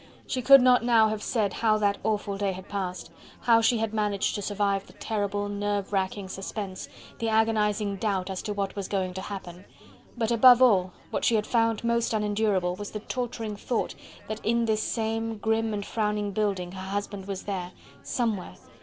She could not now have said how that awful day had passed, how she had managed to survive the terrible, nerve racking suspense, the agonizing doubt as to what was going to happen. But above all, what she had found most unendurable was the torturing thought that in this same grim and frowning building her husband was there... somewhere...